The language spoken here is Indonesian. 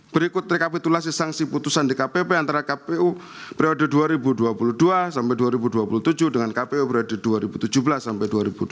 berikut rekapitulasi sanksi putusan dkpp antara kpu periode dua ribu dua puluh dua sampai dua ribu dua puluh tujuh dengan kpu periode dua ribu tujuh belas sampai dua ribu dua puluh